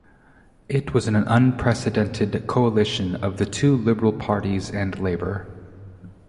It was an unprecedented coalition of the two liberal parties and Labour.